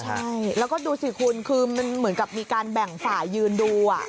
ใช่แล้วก็ดูสิคุณคือมันเหมือนกับมีการแบ่งฝ่ายยืนดู